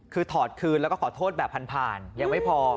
คือถอดคืนแล้วก็ขอโทษแบบผ่านยังไม่พอ